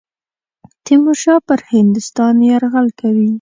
تیمورشاه پر هندوستان یرغل کوي.